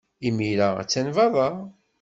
Imir-a, attan beṛṛa.